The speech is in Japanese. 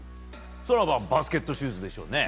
そりゃバスケットシューズでしょうね。